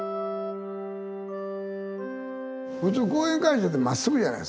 普通講演会場ってまっすぐじゃないですか。